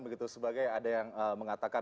begitu sebagai ada yang mengatakan